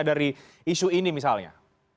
dari isu ini misalnya